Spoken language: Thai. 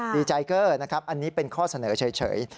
ดีใจเกอร์นะครับอันนี้เป็นข้อเสนอเฉย